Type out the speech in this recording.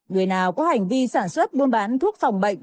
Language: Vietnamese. người nào có hành vi sản xuất buôn bán thuốc phòng bệnh